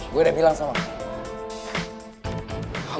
gue udah bilang sama